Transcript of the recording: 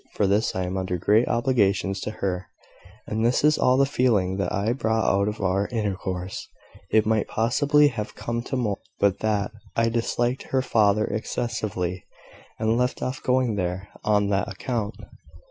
For this I am under great obligations to her; and this is all the feeling that I brought out of our intercourse. It might possibly have come to more, but that I disliked her father excessively, and left off going there on that account.